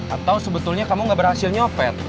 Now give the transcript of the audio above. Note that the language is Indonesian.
atau sebetulnya kamu gak berhasil nyopet